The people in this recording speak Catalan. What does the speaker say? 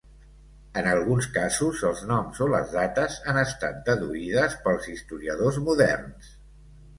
En alguns casos, els noms o les dates han estat deduïdes pels historiadors moderns.